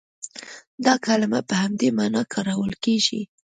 دا کلمه په همدې معنا کارول کېږي.